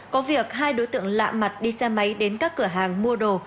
có việc hai đối tượng lạ mặt đi xe máy đến các cửa hàng mua đồ